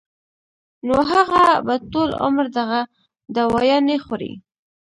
نو هغه به ټول عمر دغه دوايانې خوري